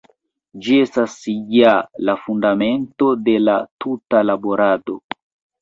Ĝi estas ja la fundamento de la tuta laborado.